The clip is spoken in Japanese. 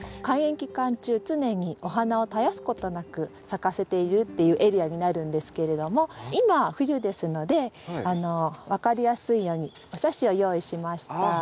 開園期間中常にお花を絶やすことなく咲かせているっていうエリアになるんですけれども今冬ですので分かりやすいようにお写真を用意しました。